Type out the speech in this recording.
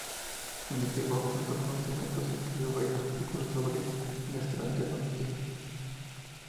Investigó, aportó conocimientos y escribió varios artículos sobre gastroenterología.